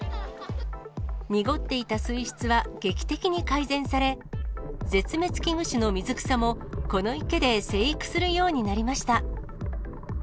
濁っていた水質は劇的に改善され、絶滅危惧種の水草も、この池で生育するようになりました。